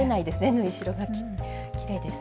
縫い代がきれいです。